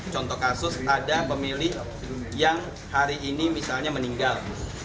contoh kasus ada pemilih yang hari ini misalnya meninggal